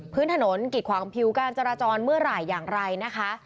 พื้นถนนกิดขวางผิวการจราจรเมื่อไหร่อย่างไรนะคะ